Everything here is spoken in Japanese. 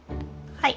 はい。